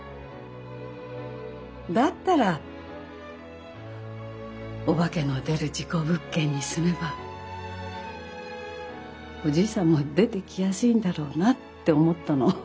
だったらお化けの出る事故物件に住めばおじいさんも出てきやすいんだろうなって思ったの。